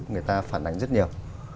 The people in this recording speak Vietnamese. người ta phản ánh rất nhiều